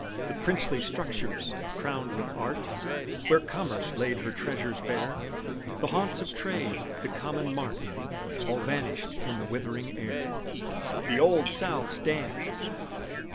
The princely structures, crowned with art, Where Commerce laid her treasures bare; The haunts of trade, the common mart, All vanished in the withering air, "The Old South stands!"